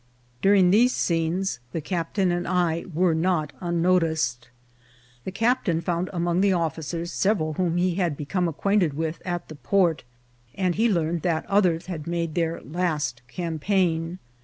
During these scenes the captain and I were not un noticed. The captain found among the officers several whom he had become acquainted with at the port, and he learned that others had made their last campaign.